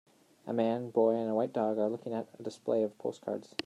A man, boy and a white dog are looking at a display of postcards.